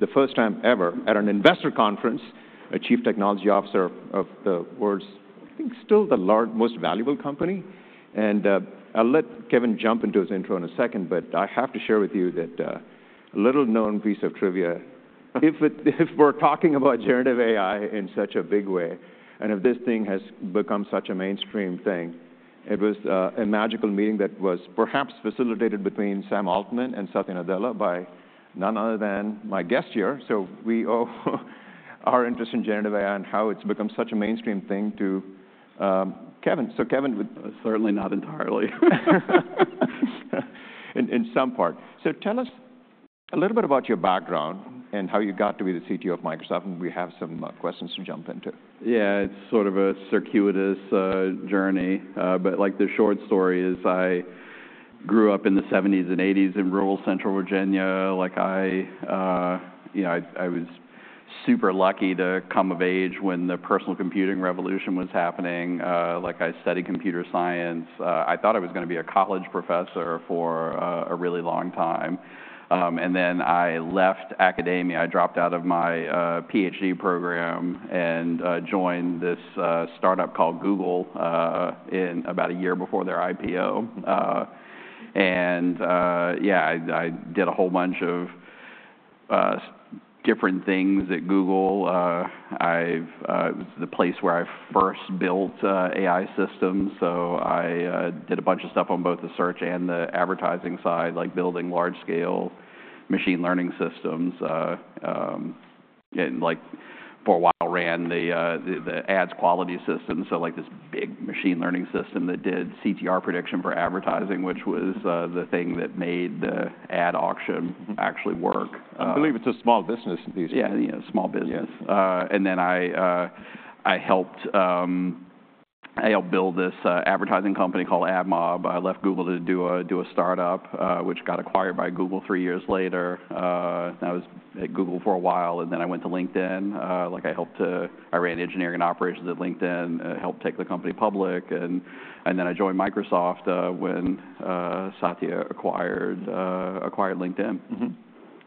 The first time ever at an investor conference, a Chief Technology Officer of the world's, I think, still the most valuable company, and I'll let Kevin jump into his intro in a second, but I have to share with you that a little-known piece of trivia. If we're talking about generative AI in such a big way, and if this thing has become such a mainstream thing, it was a magical meeting that was perhaps facilitated between Sam Altman and Satya Nadella by none other than my guest here. We owe our interest in generative AI and how it's become such a mainstream thing to Kevin. Kevin would- Certainly not entirely. In some part. Tell us a little bit about your background and how you got to be the CTO of Microsoft, and we have some questions to jump into. Yeah, it's sort of a circuitous journey, but like, the short story is I grew up in the '70s and '80s in rural central Virginia. Like, you know, I was super lucky to come of age when the personal computing revolution was happening. Like, I studied computer science. I thought I was gonna be a college professor for a really long time, and then I left academia. I dropped out of my PhD program and joined this startup called Google in about a year before their IPO, and yeah, I did a whole bunch of different things at Google. It was the place where I first built AI systems, so I did a bunch of stuff on both the search and the advertising side, like building large-scale machine learning systems. And, like, for a while, ran the ads quality system, so, like, this big machine learning system that did CTR prediction for advertising, which was the thing that made the ad auction actually work. I believe it's a small business these days. Yeah, yeah, small business. And then I helped build this advertising company called AdMob. I left Google to do a startup, which got acquired by Google three years later. I was at Google for a while, and then I went to LinkedIn. Like, I ran engineering and operations at LinkedIn, helped take the company public, and then I joined Microsoft, when Satya acquired LinkedIn.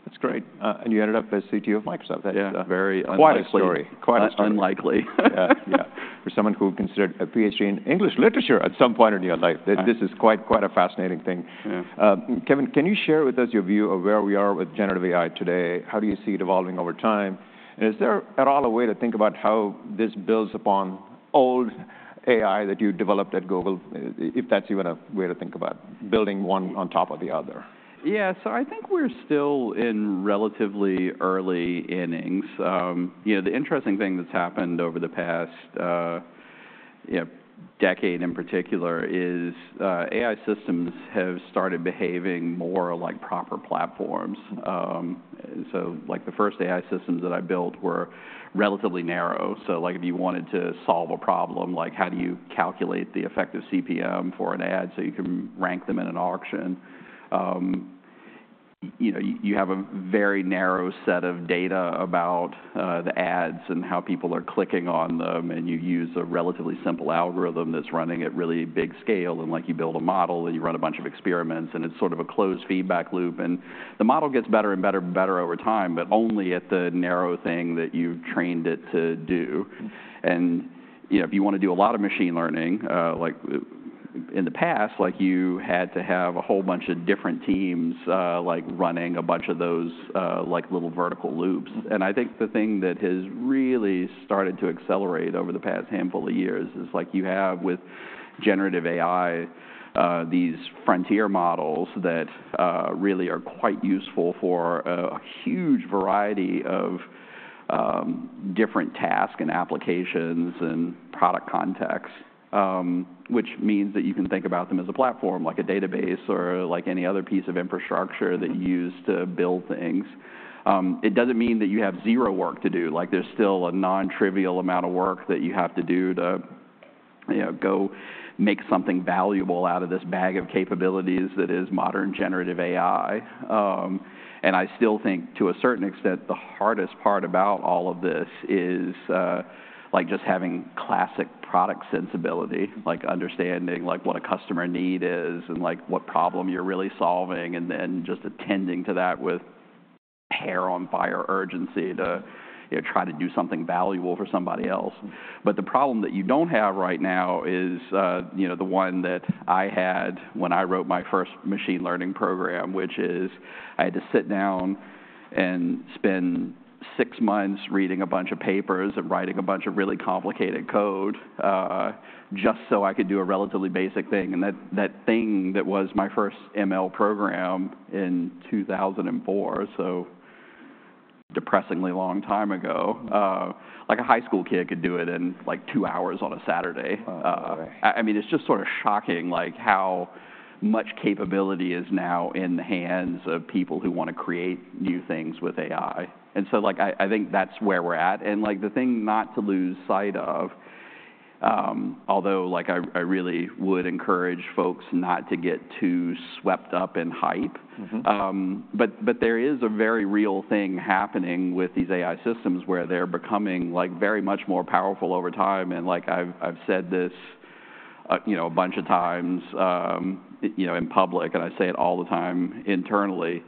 That's great, and you ended up as CTO of Microsoft. That's a very unlikely. Quite a story. Quite a story. Unlikely. Yeah, yeah. For someone who considered a PhD in English literature at some point in your life- Right. This is quite, quite a fascinating thing. Kevin, can you share with us your view of where we are with generative AI today? How do you see it evolving over time, and is there at all a way to think about how this builds upon old AI that you developed at Google? If that's even a way to think about building one on top of the other. Yeah, so I think we're still in relatively early innings. You know, the interesting thing that's happened over the past, you know, decade in particular is, AI systems have started behaving more like proper platforms. So, like, the first AI systems that I built were relatively narrow. So, like, if you wanted to solve a problem, like how do you calculate the effective CPM for an ad so you can rank them in an auction? You know, you have a very narrow set of data about, the ads and how people are clicking on them, and you use a relatively simple algorithm that's running at really big scale, and, like, you build a model, and you run a bunch of experiments, and it's sort of a closed feedback loop. And the model gets better and better and better over time, but only at the narrow thing that you trained it to do. And, you know, if you wanna do a lot of machine learning, like, in the past, like, you had to have a whole bunch of different teams, like, running a bunch of those, like, little vertical loops. And I think the thing that has really started to accelerate over the past handful of years is, like, you have with generative AI, these frontier models that, really are quite useful for, a huge variety of, different tasks and applications and product contexts. Which means that you can think about them as a platform, like a database or like any other piece of infrastructure that you use to build things. It doesn't mean that you have zero work to do. Like, there's still a non-trivial amount of work that you have to do to, you know, go make something valuable out of this bag of capabilities that is modern generative AI. And I still think, to a certain extent, the hardest part about all of this is, like, just having classic product sensibility. Like, understanding, like, what a customer need is, and, like, what problem you're really solving, and then just attending to that with hair on fire urgency to, you know, try to do something valuable for somebody else. But the problem that you don't have right now is, you know, the one that I had when I wrote my first machine learning program, which is I had to sit down and spend six months reading a bunch of papers and writing a bunch of really complicated code, just so I could do a relatively basic thing. And that thing that was my first ML program in 2004, so depressingly long time ago, like a high school kid could do it in, like, two hours on a Saturday. Oh, boy. I mean, it's just sort of shocking, like, how much capability is now in the hands of people who wanna create new things with AI. And so, like, I think that's where we're at. And, like, the thing not to lose sight of, although, like, I really would encourage folks not to get too swept up in hype. But there is a very real thing happening with these AI systems, where they're becoming, like, very much more powerful over time. And, like, I've said this, you know, a bunch of times, you know, in public, and I say it all the time internally,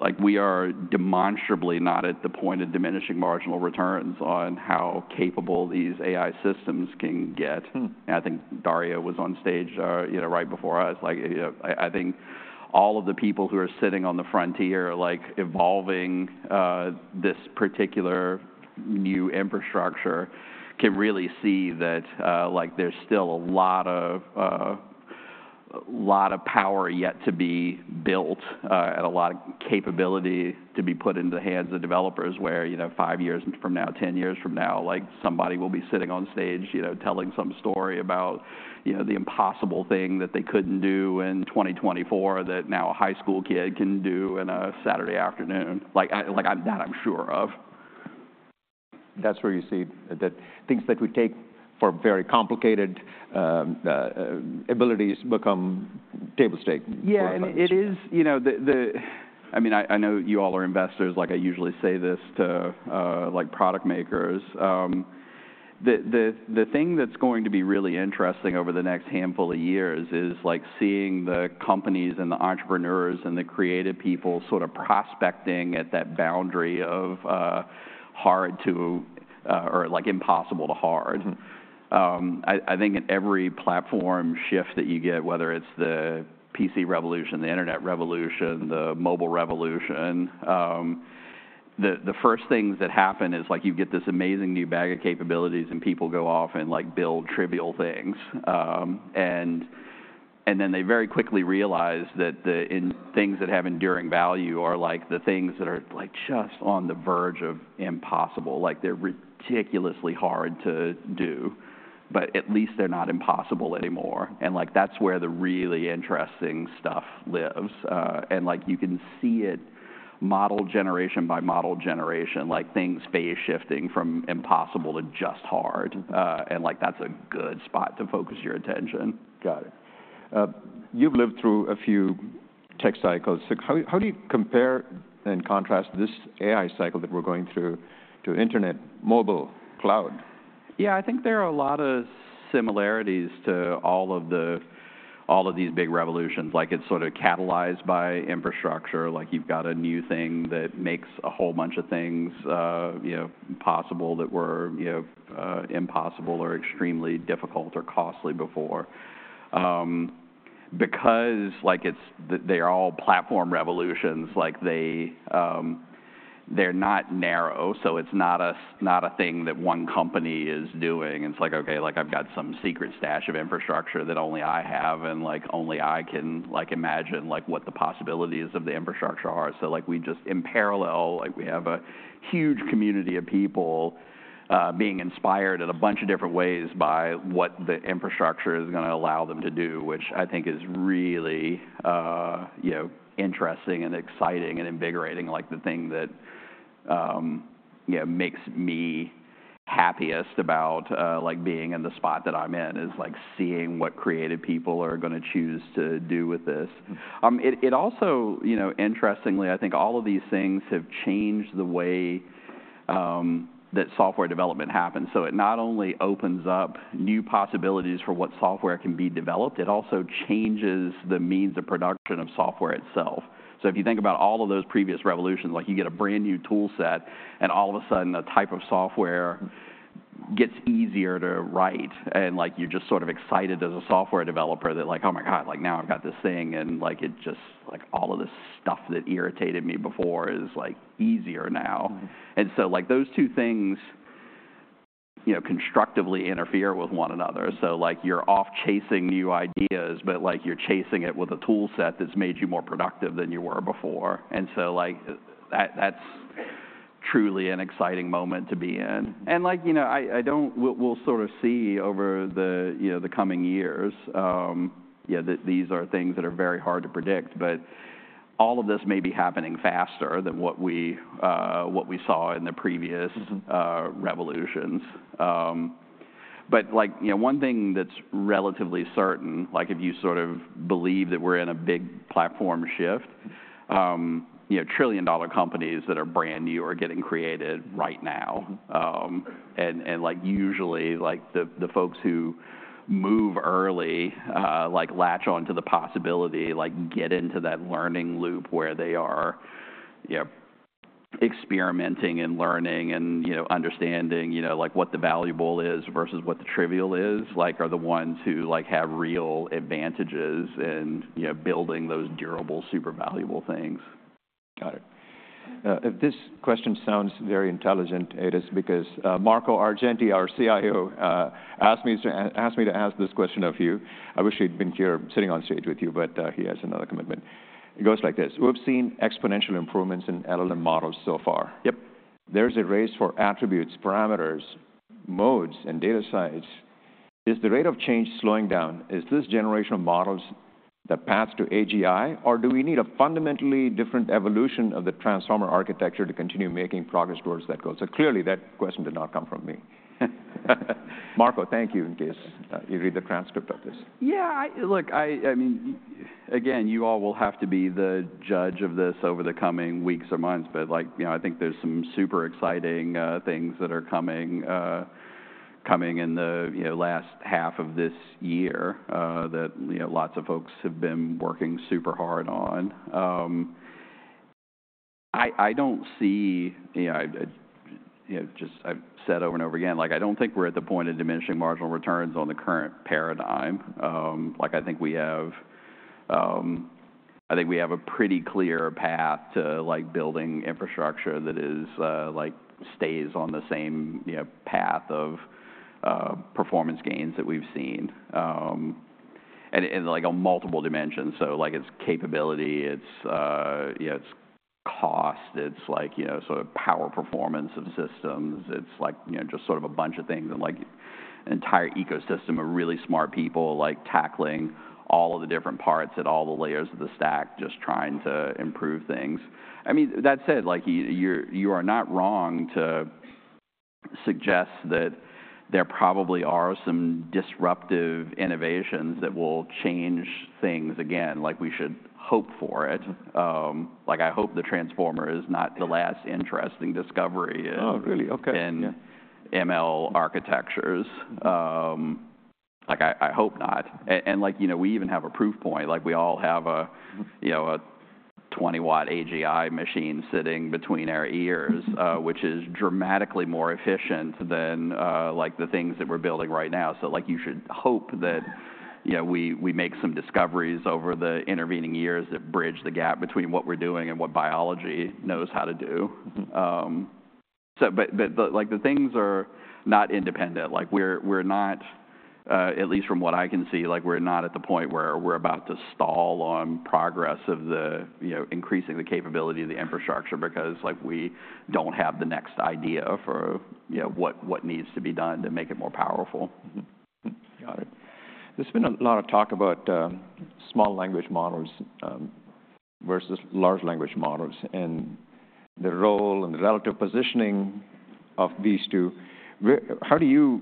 like, we are demonstrably not at the point of diminishing marginal returns on how capable these AI systems can get. I think Dario was on stage, you know, right before us. Like, I think all of the people who are sitting on the frontier, like, evolving this particular new infrastructure can really see that, like, there's still a lot of power yet to be built, and a lot of capability to be put into the hands of developers, where, you know, five years from now, ten years from now, like, somebody will be sitting on stage, you know, telling some story about, you know, the impossible thing that they couldn't do in 2024 that now a high school kid can do in a Saturday afternoon. Like, I like that I'm sure of. That's where you see that things that we take for very complicated, abilities become table stakes? Yeah, and it is, you know, the. I mean, I know you all are investors, like I usually say this to, like, product makers. The thing that's going to be really interesting over the next handful of years is, like, seeing the companies and the entrepreneurs and the creative people sort of prospecting at that boundary of, hard to, or, like, impossible to hard. I think in every platform shift that you get, whether it's the PC revolution, the internet revolution, the mobile revolution, the first things that happen is, like, you get this amazing new bag of capabilities, and people go off and, like, build trivial things, and then they very quickly realize that the things that have enduring value are, like, the things that are, like, just on the verge of impossible. Like, they're ridiculously hard to do, but at least they're not impossible anymore, and, like, that's where the really interesting stuff lives, and, like, you can see it model generation by model generation, like, things phase shifting from impossible to just hard, and, like, that's a good spot to focus your attention. Got it. You've lived through a few tech cycles. So how do you compare and contrast this AI cycle that we're going through to internet, mobile, cloud? Yeah, I think there are a lot of similarities to all of these big revolutions. Like, it's sort of catalyzed by infrastructure. Like, you've got a new thing that makes a whole bunch of things, you know, possible that were, you know, impossible or extremely difficult or costly before. Because, like, it's the, they are all platform revolutions, like, they, they're not narrow, so it's not a thing that one company is doing, and it's like, okay, like I've got some secret stash of infrastructure that only I have, and, like, only I can, like, imagine, like, what the possibilities of the infrastructure are. So, like, we just, in parallel, like, we have a huge community of people being inspired in a bunch of different ways by what the infrastructure is gonna allow them to do, which I think is really, you know, interesting and exciting and invigorating. Like, the thing that, you know, makes me happiest about, like, being in the spot that I'm in, is, like, seeing what creative people are gonna choose to do with this. It also, you know, interestingly, I think all of these things have changed the way that software development happens. It not only opens up new possibilities for what software can be developed, it also changes the means of production of software itself. So if you think about all of those previous revolutions, like, you get a brand-new tool set, and all of a sudden, a type of software gets easier to write. And, like, you're just sort of excited as a software developer that, like, "Oh, my God, like, now I've got this thing, and, like, it just... Like, all of this stuff that irritated me before is, like, easier now. And so, like, those two things, you know, constructively interfere with one another. So, like, you're off chasing new ideas, but, like, you're chasing it with a tool set that's made you more productive than you were before. And so, like, that, that's truly an exciting moment to be in. And, like, you know, we'll sort of see over the, you know, the coming years. These are things that are very hard to predict, but all of this may be happening faster than what we saw in the previous revolutions. But, like, you know, one thing that's relatively certain, like, if you sort of believe that we're in a big platform shift, you know, trillion-dollar companies that are brand new are getting created right now. Like, usually, like, the folks who move early, like, latch on to the possibility, like, get into that learning loop where they are, you know, experimenting and learning and, you know, understanding, you know, like, what the valuable is versus what the trivial is, like, are the ones who, like, have real advantages in, you know, building those durable, super valuable things. Got it. If this question sounds very intelligent, it is because Marco Argenti, our CIO, asked me to ask this question of you. I wish he'd been here sitting on stage with you, but he has another commitment. It goes like this: We've seen exponential improvements in LLM models so far. Yep. There's a race for attributes, parameters, modes, and data size. Is the rate of change slowing down? Is this generation of models the path to AGI, or do we need a fundamentally different evolution of the transformer architecture to continue making progress towards that goal? So clearly, that question did not come from me. Marco, thank you, in case you read the transcript of this. Yeah, look, I mean, again, you all will have to be the judge of this over the coming weeks or months, but, like, you know, I think there's some super exciting things that are coming in the, you know, last half of this year, that, you know, lots of folks have been working super hard on. I don't see, you know, just I've said over and over again, like, I don't think we're at the point of diminishing marginal returns on the current paradigm. Like, I think we have a pretty clear path to, like, building infrastructure that is, like, stays on the same, you know, path of performance gains that we've seen. And in, like, on multiple dimensions. So, like, it's capability, it's, you know, it's cost, it's like, you know, sort of power performance of systems. It's like, you know, just sort of a bunch of things, and, like, an entire ecosystem of really smart people, like, tackling all of the different parts at all the layers of the stack, just trying to improve things. I mean, that said, like, you're, you are not wrong to suggest that there probably are some disruptive innovations that will change things again. Like, we should hope for it. Like, I hope the transformer is not the last interesting discovery in- Oh, really? Okay. In ML architectures. Like, I hope not. And, like, you know, we even have a proof point. Like, we all have a, you know, a twenty-watt AGI machine sitting between our ears, which is dramatically more efficient than, like, the things that we're building right now. So, like, you should hope that, you know, we make some discoveries over the intervening years that bridge the gap between what we're doing and what biology knows how to do. But, like, the things are not independent. Like, we're not, at least from what I can see, like, we're not at the point where we're about to stall on progress of the, you know, increasing the capability of the infrastructure because, like, we don't have the next idea for, you know, what needs to be done to make it more powerful. Got it. There's been a lot of talk about small language models versus large language models and the role and the relative positioning of these two. How do you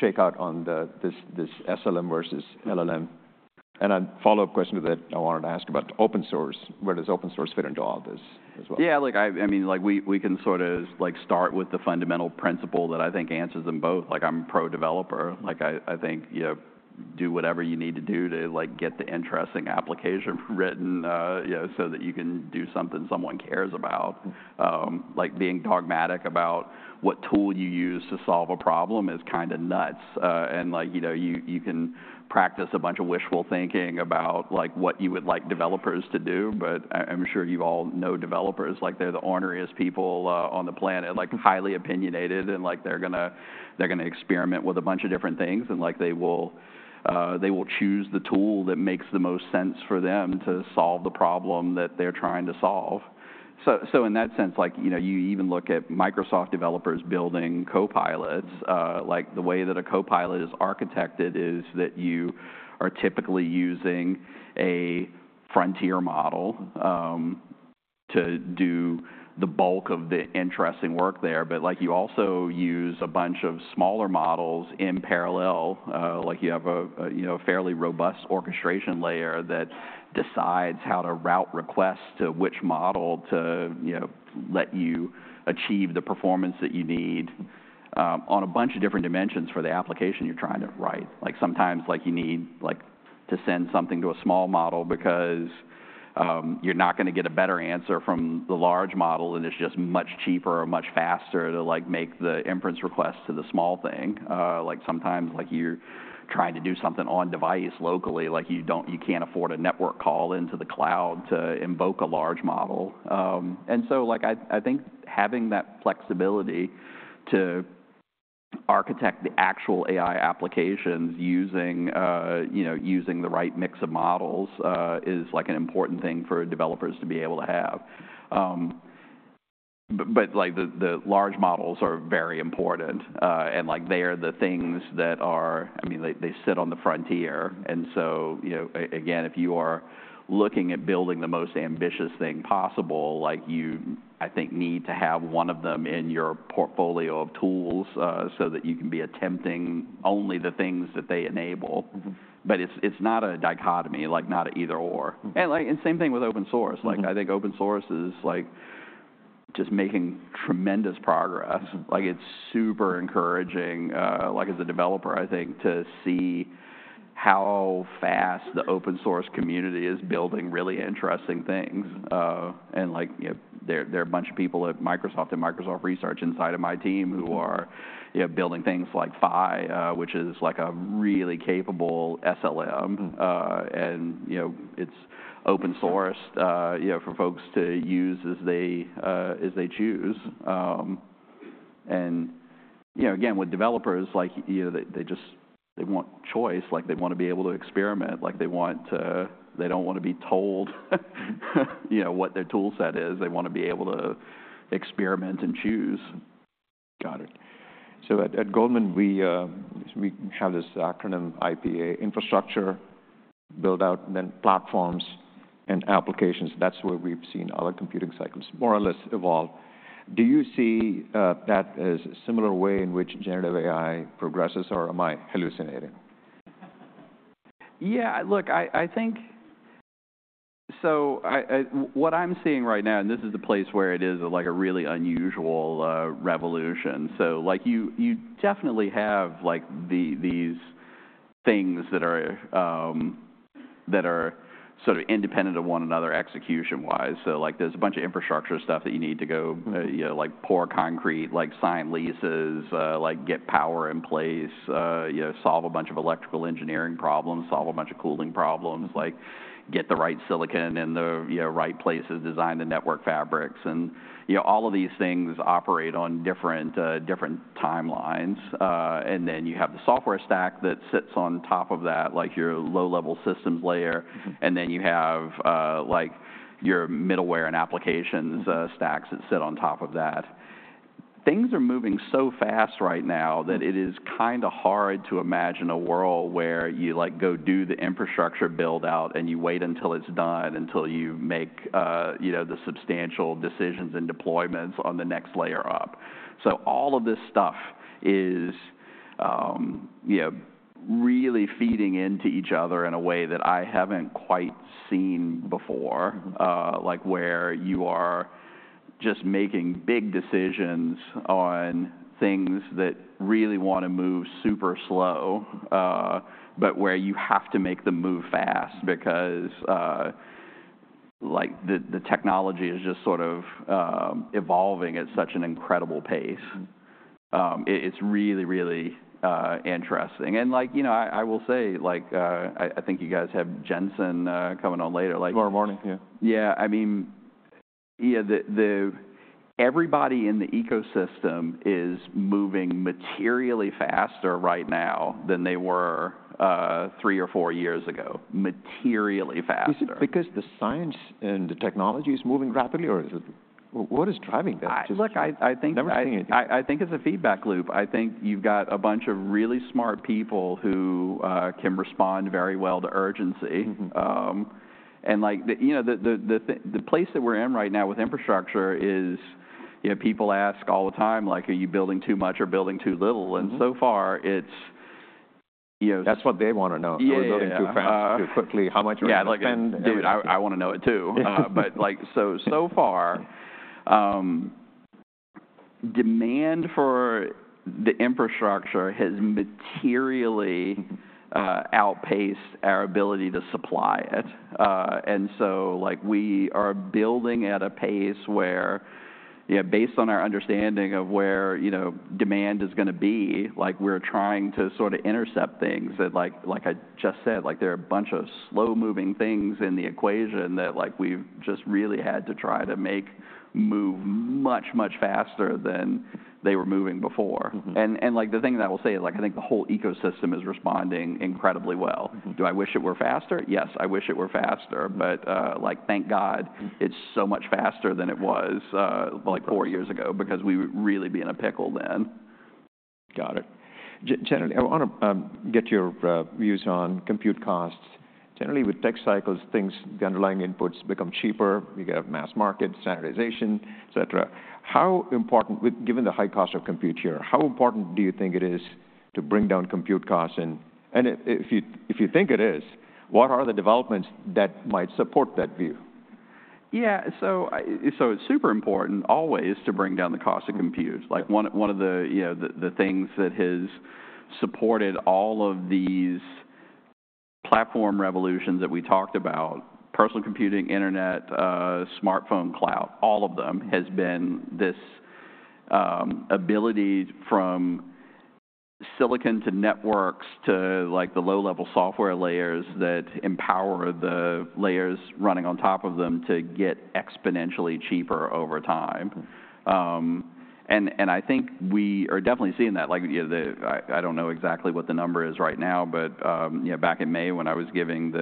shake out on this SLM versus LLM? And a follow-up question to that, I wanted to ask about open source. Where does open source fit into all this as well? Yeah, like, I mean, like, we can sort of, like, start with the fundamental principle that I think answers them both. Like, I'm pro-developer. Like, I think, you know, do whatever you need to do to, like, get the interesting application written, you know, so that you can do something someone cares about. Like, being dogmatic about what tool you use to solve a problem is kinda nuts, and like, you can practice a bunch of wishful thinking about, like, what you would like developers to do, but I'm sure you all know developers. Like, they're the orneriest people on the planet, like, highly opinionated, and, like, they're gonna experiment with a bunch of different things, and, like, they will choose the tool that makes the most sense for them to solve the problem that they're trying to solve. So in that sense, like, you know, you even look at Microsoft developers building Copilots. Like, the way that a Copilot is architected is that you are typically using a frontier model to do the bulk of the interesting work there. But, like, you also use a bunch of smaller models in parallel. Like, you have a you know, fairly robust orchestration layer that decides how to route requests to which model to, you know, let you achieve the performance that you need on a bunch of different dimensions for the application you're trying to write. Like, sometimes, like, you need, like, to send something to a small model because you're not gonna get a better answer from the large model, and it's just much cheaper or much faster to, like, make the inference request to the small thing. Like, sometimes, like, you're trying to do something on device locally, like, you can't afford a network call into the cloud to invoke a large model. And so, like, I think having that flexibility to architect the actual AI applications using, you know, using the right mix of models, is, like, an important thing for developers to be able to have. But, like, the large models are very important, and, like, they are the things that are... I mean, they sit on the frontier. And so, you know, again, if you are looking at building the most ambitious thing possible, like, you, I think, need to have one of them in your portfolio of tools, so that you can be attempting only the things that they enable. But it's not a dichotomy, like, not an either/or. Like, same thing with open source. Like, I think open source is, like, just making tremendous progress. Like, it's super encouraging, like, as a developer, I think, to see how fast the open source community is building really interesting things. And, like, you know, there are a bunch of people at Microsoft and Microsoft Research inside of my team who are, you know, building things like Phi, which is, like, a really capable SLM. And you know, it's open source, you know, for folks to use as they choose. And you know, again, with developers, like, you know, they just want choice. Like, they wanna be able to experiment. Like, they want to. They don't wanna be told, you know, what their toolset is. They wanna be able to experiment and choose. Got it. So at Goldman, we have this acronym, IPA, infrastructure build out then platforms and applications. That's where we've seen other computing cycles more or less evolve. Do you see that as a similar way in which generative AI progresses, or am I hallucinating? Yeah, look, I think so, what I'm seeing right now, and this is the place where it is like a really unusual revolution, so like, you definitely have like these things that are sort of independent of one another, execution-wise, so like, there's a bunch of infrastructure stuff that you need to go, you know, like pour concrete, like sign leases, like get power in place, you know, solve a bunch of electrical engineering problems, solve a bunch of cooling problems, like get the right silicon in the, you know, right places, design the network fabrics. And, you know, all of these things operate on different timelines. And then you have the software stack that sits on top of that, like your low-level systems layer, and then you have, like your middleware and applications, stacks that sit on top of that. Things are moving so fast right now that it is kind of hard to imagine a world where you, like, go do the infrastructure build-out, and you wait until it's done, until you make, you know, the substantial decisions and deployments on the next layer up. So all of this stuff is, you know, really feeding into each other in a way that I haven't quite seen before. Like, where you are just making big decisions on things that really want to move super slow, but where you have to make them move fast because, like, the technology is just sort of evolving at such an incredible pace. It's really, really interesting. Like, you know, I will say, like, I think you guys have Jensen coming on later, like- Tomorrow morning, yeah. Yeah. I mean, yeah, everybody in the ecosystem is moving materially faster right now than they were three or four years ago. Materially faster. Is it because the science and the technology is moving rapidly, or is it... what is driving this? Look, I think. Never seen anything. I think it's a feedback loop. I think you've got a bunch of really smart people who can respond very well to urgency. And like, you know, the place that we're in right now with infrastructure is, you know, people ask all the time, like: "Are you building too much or building too little? And so far, it's, you know. That's what they want to know. Are we building too fast, too quickly? How much? Yeah, like. And. Dude, I want to know it, too. But, like, so far, demand for the infrastructure has materially outpaced our ability to supply it. And so, like, we are building at a pace where, you know, based on our understanding of where, you know, demand is gonna be, like, we're trying to sort of intercept things that, like, like I just said, like, there are a bunch of slow-moving things in the equation that, like, we've just really had to try to make move much, much faster than they were moving before. Like, the thing that I will say, like, I think the whole ecosystem is responding incredibly well. Do I wish it were faster? Yes, I wish it were faster, but, like, thank God it's so much faster than it was, like, four years ago, because we would really be in a pickle then. Got it. Generally, I want to get your views on compute costs. Generally, with tech cycles, things, the underlying inputs become cheaper. You get mass market, standardization, et cetera. How important, given the high cost of compute here, how important do you think it is to bring down compute costs? And if you think it is, what are the developments that might support that view? Yeah, so it's super important always to bring down the cost of compute. Like, one of the, you know, the things that has supported all of these platform revolutions that we talked about, personal computing, internet, smartphone, cloud, all of them, has been this ability from silicon to networks to, like, the low-level software layers that empower the layers running on top of them to get exponentially cheaper over time. And I think we are definitely seeing that, like, you know, the... I don't know exactly what the number is right now, but, you know, back in May, when I was giving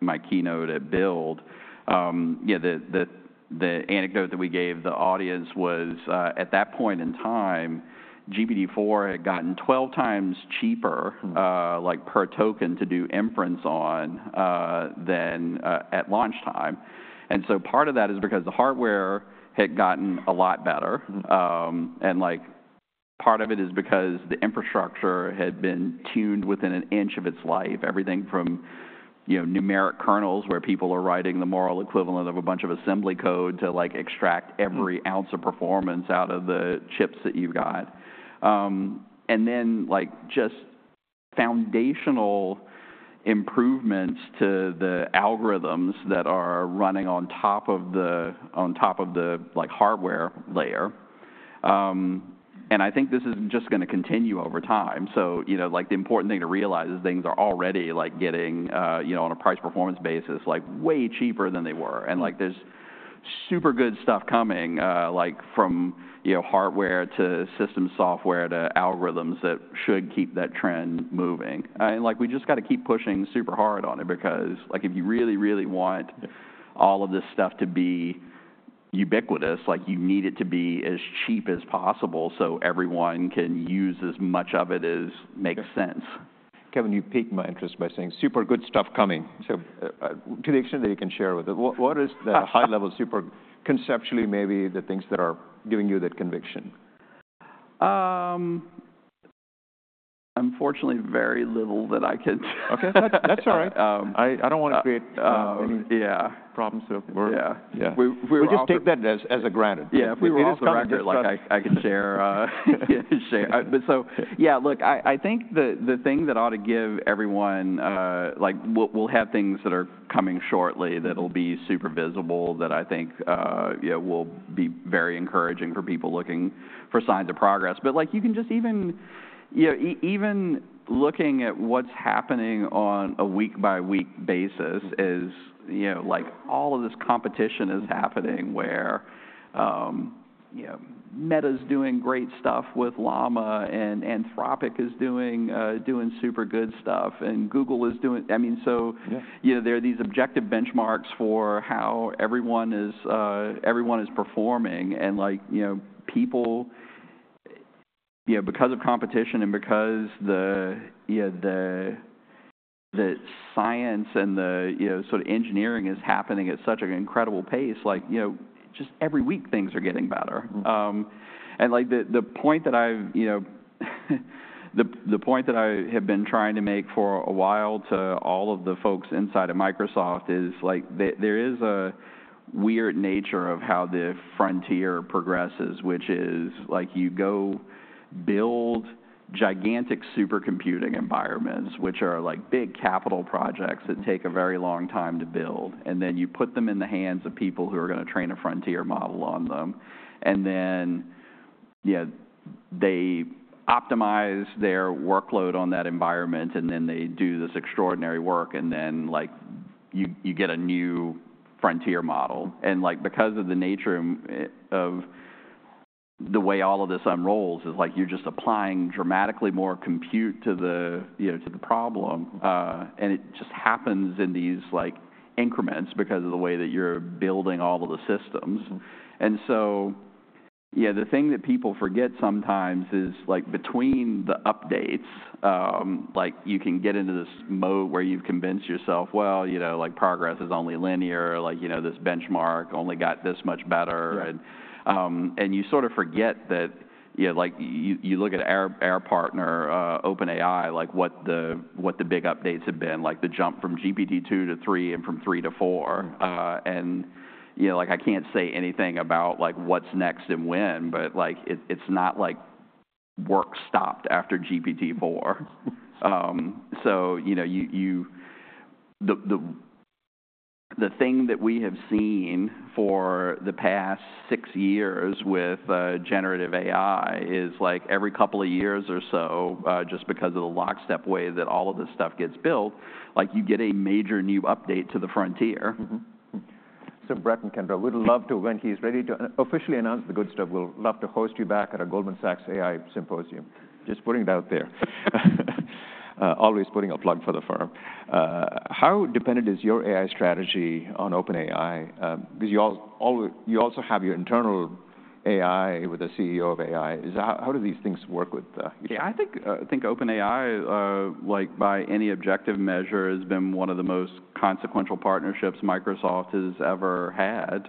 my keynote at Build, yeah, the anecdote that we gave the audience was, at that point in time, GPT-4 had gotten 12 times cheaper- Like, per token to do inference on, than at launch time. And so part of that is because the hardware had gotten a lot better. And like, part of it is because the infrastructure had been tuned within an inch of its life. Everything from, you know, numeric kernels, where people are writing the moral equivalent of a bunch of assembly code to, like, extract every ounce of performance out of the chips that you've got. And then, like, just foundational improvements to the algorithms that are running on top of the hardware layer. And I think this is just gonna continue over time. So, you know, like, the important thing to realize is things are already, like, getting, you know, on a price-performance basis, like, way cheaper than they were. And, like, there's super good stuff coming, like from, you know, hardware to system software to algorithms that should keep that trend moving. And, like, we just got to keep pushing super hard on it because, like, if you really, really want. Yes. All of this stuff to be ubiquitous, like you need it to be as cheap as possible, so everyone can use as much of it as makes sense. Kevin, you piqued my interest by saying, "Super good stuff coming." So, to the extent that you can share with it, what is the high-level super, conceptually, maybe the things that are giving you that conviction? Unfortunately, very little that I can. Okay, that's all right. I don't wanna create problems or. Yeah. Yeah. We were off. We just take that as for granted. Yeah, if we were off the record. It's kind of like I could share, share. But so yeah, look, I think the thing that ought to give everyone... Like, we'll have things that are coming shortly that'll be super visible, that I think, yeah, will be very encouraging for people looking for signs of progress. But, like, you can just even, you know, even looking at what's happening on a week-by-week basis is, you know, like, all of this competition is happening where, you know, Meta's doing great stuff with Llama, and Anthropic is doing super good stuff, and Google is doing. I mean, so yeah, you know, there are these objective benchmarks for how everyone is performing and, like, you know, people, you know, because of competition and because the, yeah, the science and the, you know, sort of engineering is happening at such an incredible pace, like, you know, just every week, things are getting better. Mm. And, like, the point that I've, you know, been trying to make for a while to all of the folks inside of Microsoft is, like, there is a weird nature of how the frontier progresses, which is, like, you go build gigantic supercomputing environments, which are like big capital projects that take a very long time to build, and then you put them in the hands of people who are gonna train a frontier model on them. And then, yeah, they optimize their workload on that environment, and then they do this extraordinary work, and then, like, you get a new frontier model. And, like, because of the nature of the way all of this unrolls, is like you're just applying dramatically more compute to the, you know, to the problem, and it just happens in these, like, increments because of the way that you're building all of the systems. And so, yeah, the thing that people forget sometimes is, like, between the updates, like, you can get into this mode where you've convinced yourself, "Well, you know, like, progress is only linear. Like, you know, this benchmark only got this much better." Yeah. And you sort of forget that, you know, like, you look at our partner, OpenAI, like, what the big updates have been, like the jump from GPT-2 to 3 and from 3 to 4. And, you know, like, I can't say anything about, like, what's next and when, but, like, it, it's not like work stopped after GPT-4. So you know, the thing that we have seen for the past six years with generative AI is, like, every couple of years or so, just because of the lockstep way that all of this stuff gets built, like, you get a major new update to the frontier. Mm-hmm. Mm. So Brett and Kendra, we'd love to, when he's ready to officially announce the good stuff, we'll love to host you back at a Goldman Sachs AI Symposium. Just putting it out there. Always putting a plug for the firm. How dependent is your AI strategy on OpenAI? Because you also have your internal AI with a CEO of AI. Yeah, I think OpenAI, like, by any objective measure, has been one of the most consequential partnerships Microsoft has ever had.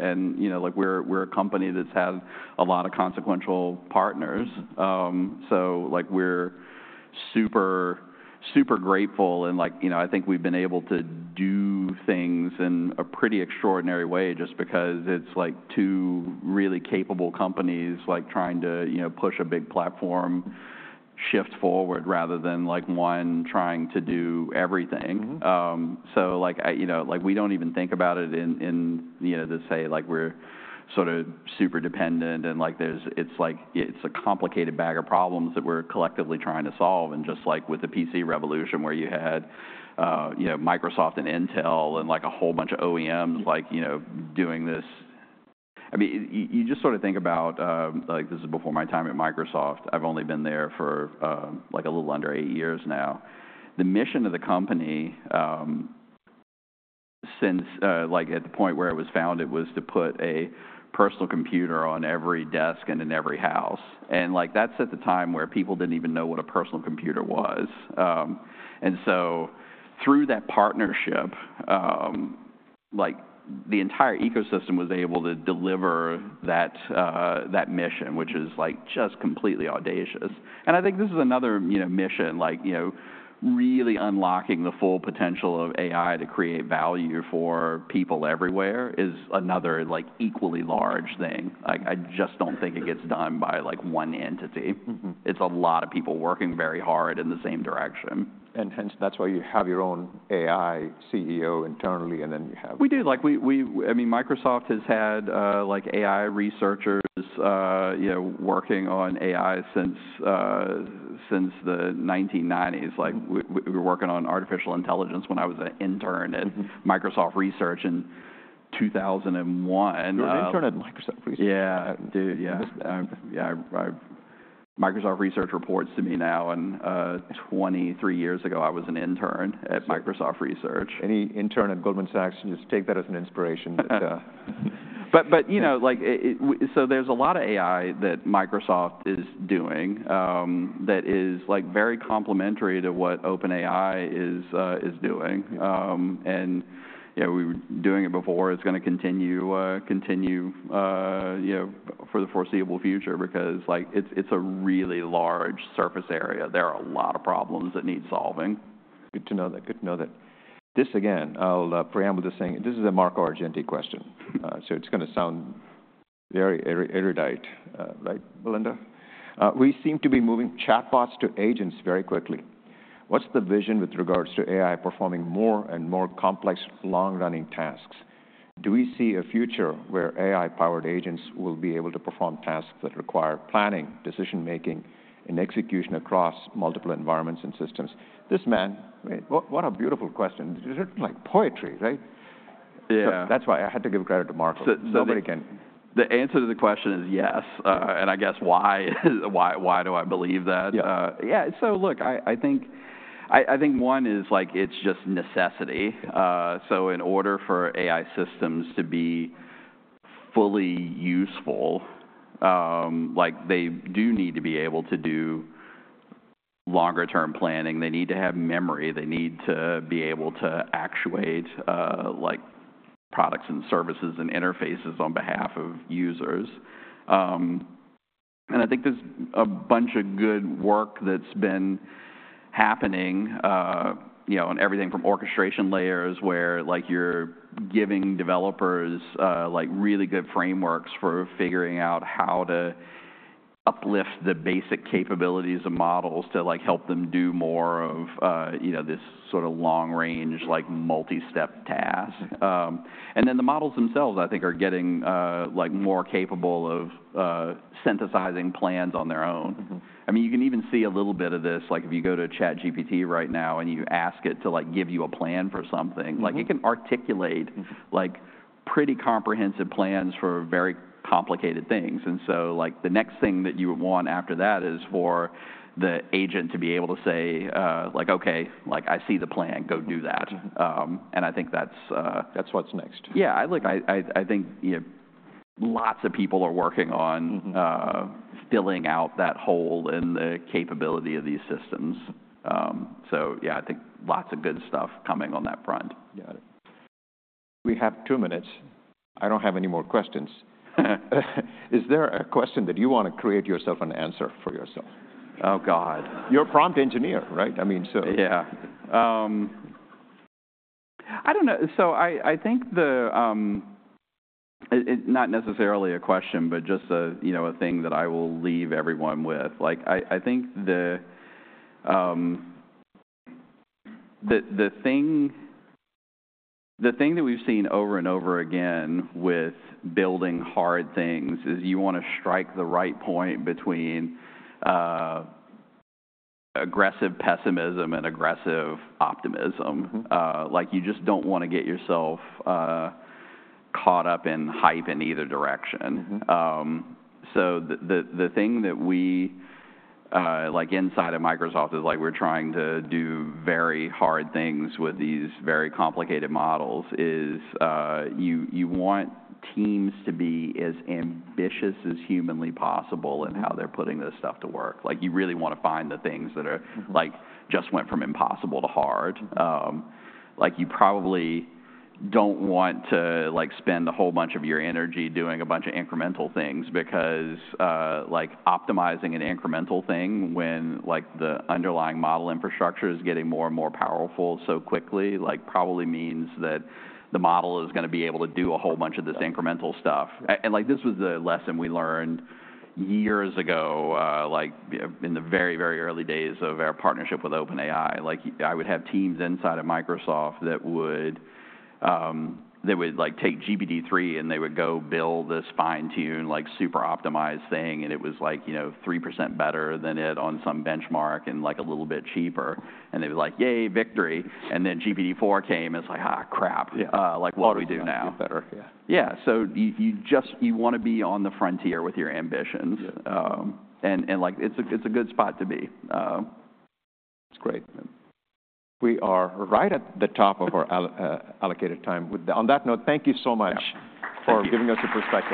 And, you know, like, we're a company that's had a lot of consequential partners. Mm. So, like, we're super, super grateful, and, like, you know, I think we've been able to do things in a pretty extraordinary way just because it's, like, two really capable companies, like, trying to, you know, push a big platform shift forward, rather than, like, one trying to do everything. Mm-hmm. So like, I, you know, like, we don't even think about it in, you know, to say, like, we're sort of super dependent and, like, there's. It's like, it's a complicated bag of problems that we're collectively trying to solve. And just like with the PC revolution, where you had, you know, Microsoft and Intel and, like, a whole bunch of OEMs, like, you know, doing this. I mean, you just sort of think about, like, this is before my time at Microsoft. I've only been there for, like, a little under eight years now. The mission of the company, since, like, at the point where it was founded, was to put a personal computer on every desk and in every house, and, like, that's at the time where people didn't even know what a personal computer was. And so through that partnership, like, the entire ecosystem was able to deliver that, that mission, which is, like, just completely audacious. I think this is another, you know, mission, like, you know, really unlocking the full potential of AI to create value for people everywhere is another, like, equally large thing. Like, I just don't think it gets done by, like, one entity. Mm-hmm. It's a lot of people working very hard in the same direction. And hence, that's why you have your own AI CEO internally, and then you have. We do, like, we, I mean, Microsoft has had, like, AI researchers, you know, working on AI since the 1990s. Mm. Like, we were working on artificial intelligence when I was an intern at Microsoft Research in 2001. You were an intern at Microsoft Research? Yeah. Dude, yeah. Microsoft Research reports to me now, and, twenty-three years ago, I was an intern at Microsoft Research. Any intern at Goldman Sachs, just take that as an inspiration that. But, you know, like, so there's a lot of AI that Microsoft is doing, that is, like, very complementary to what OpenAI is doing. And, you know, we were doing it before. It's gonna continue, you know, for the foreseeable future because, like, it's a really large surface area. There are a lot of problems that need solving. Good to know that. Good to know that. This, again, I'll preamble just saying this is a Marco Argenti question, so it's gonna sound very erudite, right, Belinda? We seem to be moving chatbots to agents very quickly. What's the vision with regards to AI performing more and more complex, long-running tasks? Do we see a future where AI-powered agents will be able to perform tasks that require planning, decision-making, and execution across multiple environments and systems? This man, what a beautiful question. It's like poetry, right? That's why I had to give credit to Marco. So, the. Nobody can. The answer to the question is yes, and I guess why do I believe that? Yeah, so look, I think one is, like, it's just necessity. So in order for AI systems to be fully useful, like, they do need to be able to do longer-term planning. They need to have memory. They need to be able to actuate, like, products and services and interfaces on behalf of users. And I think there's a bunch of good work that's been happening, you know, on everything from orchestration layers, where, like, you're giving developers, like, really good frameworks for figuring out how to uplift the basic capabilities of models to, like, help them do more of, you know, this sort of long range, like, multi-step task. And then the models themselves, I think, are getting, like, more capable of synthesizing plans on their own. I mean, you can even see a little bit of this, like, if you go to ChatGPT right now, and you ask it to, like, give you a plan for something. Like, it can articulate like, pretty comprehensive plans for very complicated things. And so, like, the next thing that you would want after that is for the agent to be able to say, like, "Okay," like, "I see the plan. Go do that. And I think that's. That's what's next. Yeah, look, I think, you know, lots of people are working on filling out that hole in the capability of these systems. So yeah, I think lots of good stuff coming on that front. Got it. We have two minutes. I don't have any more questions. Is there a question that you want to create yourself an answer for yourself? Oh, God. You're a prompt engineer, right? I mean, so. Yeah. I don't know. So I think the thing that we've seen over and over again with building hard things is you wanna strike the right point between aggressive pessimism and aggressive optimism. Like, you just don't wanna get yourself caught up in hype in either direction. So the thing that we like inside of Microsoft is, like, we're trying to do very hard things with these very complicated models, is you want teams to be as ambitious as humanly possible in how they're putting this stuff to work. Like, you really want to find the things that are like, just went from impossible to hard. Like, you probably don't want to, like, spend a whole bunch of your energy doing a bunch of incremental things because, like, optimizing an incremental thing when, like, the underlying model infrastructure is getting more and more powerful so quickly, like, probably means that the model is gonna be able to do a whole bunch of this incremental stuff. And, like, this was the lesson we learned years ago, like, in the very, very early days of our partnership with OpenAI. Like, I would have teams inside of Microsoft that would, like, take GPT-3, and they would go build this fine-tune, like, super optimized thing, and it was like, you know, 3% better than it on some benchmark and, like, a little bit cheaper. And they'd be like: "Yay, victory!" And then GPT-4 came, and it's like, "Ah, crap like, what do we do now? Get better, yeah. Yeah, so you just—you wanna be on the frontier with your ambitions. Like, it's a good spot to be. That's great. We are right at the top of our allocated time. With that, on that note, thank you so much. Yeah, thank you. For giving us your perspective.